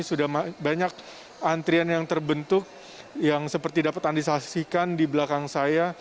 sudah banyak antrian yang terbentuk yang seperti dapat anda saksikan di belakang saya